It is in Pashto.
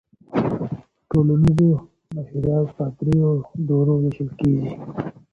ټولنیز نظریات په درېیو دورو وېشل کيږي.